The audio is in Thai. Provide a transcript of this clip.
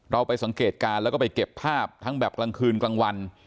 เราไปสังเกตการณ์แล้วก็ไปเก็บภาพทั้งแบบกลางคืนกลางวัน